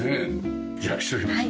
じゃあ失礼します。